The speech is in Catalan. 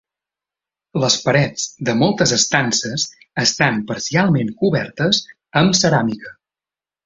Les parets de moltes estances estan parcialment cobertes amb ceràmica.